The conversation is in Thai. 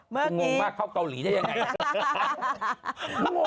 เมื่อกี้งงมากเข้าเกาหลีได้ยังไง